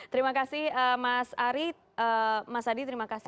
terima kasih mas adi